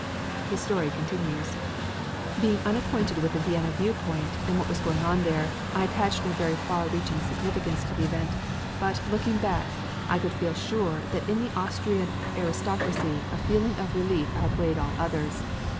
His story continues: Being unacquainted with the Vienna viewpoint and what was going on there, I attached no very far reaching significance to the event; but, looking back, I could feel sure that in the Austrian aristocracy a feeling of relief outweighed all others.